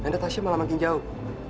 dan tasya malah makin jauh